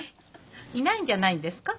いないんじゃないんですか？